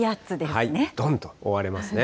どんと覆われますね。